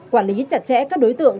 quản lý chặt chẽ các đối tượng